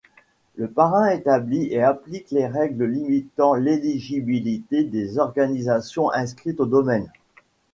Le parrain établit et applique les règles limitant l'éligibilité des organisations inscrites au domaine.